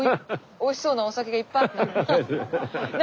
おいしそうなお酒がいっぱいあったね。